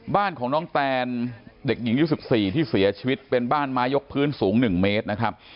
บ้านของน้องแตนเด็กหญิงยุค๑๔ที่เสียชีวิตเป็นบ้านไม้ยกพื้นสูง๑เมตรนะครับ